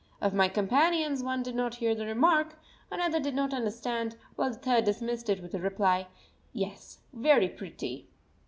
Of my companions one did not hear the remark, another did not understand, while the third dismissed it with the reply: "Yes, very pretty."